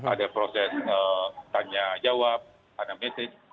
ada proses tanya jawab ada message